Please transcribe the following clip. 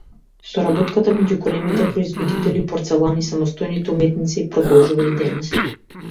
Соработката меѓу големите производители на порцелан и самостојните уметници продолжува и денес.